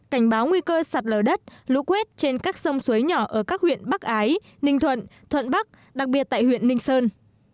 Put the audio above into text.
cảnh báo nguy cơ sạt lở đất lũ quét trên các sông suối nhỏ ở các huyện bắc ái ninh thuận thuận bắc đặc biệt tại huyện ninh sơn